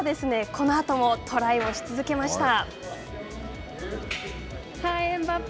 このあともトライをし続けました。